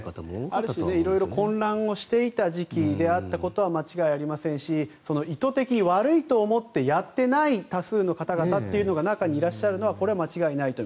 ある種混乱していた時期というのは間違いありませんし意図的に悪いと思ってやってない多数の方々というのが中にいらっしゃるのは間違いないと。